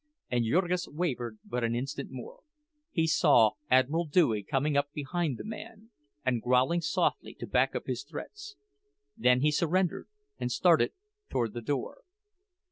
And Jurgis wavered but an instant more. He saw "Admiral Dewey" coming up behind the man and growling softly, to back up his threats. Then he surrendered and started toward the door.